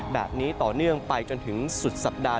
แบบนี้ต่อเนื่องไปจนถึงสุดสัปดาห